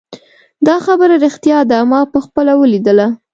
دا خبره ریښتیا ده ما پخپله ولیدله